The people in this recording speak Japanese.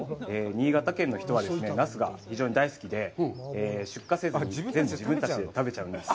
新潟県の人はナスが非常に大好きで、出荷せずに全部、自分たちで食べちゃうんです。